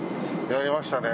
やりましたね。